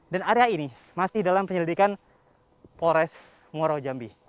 dan area ini masih dalam penyelidikan polres muara jambi